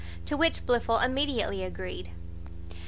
To which Blifil immediately agreed.